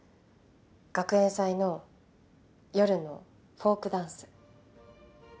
学園祭の夜のフォークダンス。